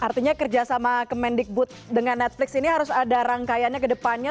artinya kerjasama kemendikbud dengan netflix ini harus ada rangkaiannya ke depannya